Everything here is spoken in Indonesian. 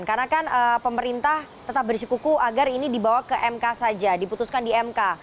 karena kan pemerintah tetap bersekuku agar ini dibawa ke mk saja diputuskan di mk